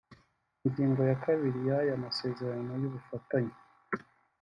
Ingingo ya kabiri y’aya masezerano y’ubufatanye